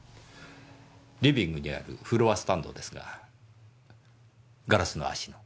リビングにあるフロアスタンドですがガラスの足の。